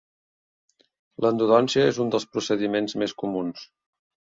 L'endodòncia és un dels procediments més comuns.